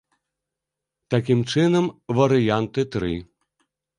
Такім чынам, варыянты тры.